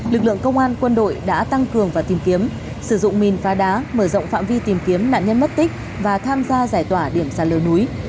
lực lượng công an quân đội đã tăng cường và tìm kiếm sử dụng mìn phá đá mở rộng phạm vi tìm kiếm nạn nhân mất tích và tham gia giải tỏa điểm sạt lở núi